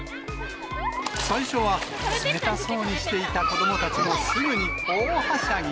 最初は冷たそうにしていた子どもたちもすぐに大はしゃぎ。